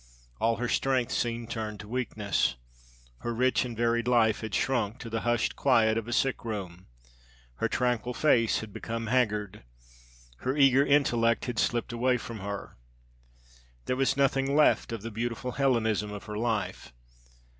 All her strength seemed turned to weakness. Her rich and varied life had shrunk to the hushed quiet of a sick room. Her tranquil face had become haggard. Her eager intellect had slipped away from her. There was nothing left of the beautiful Hellenism of her life.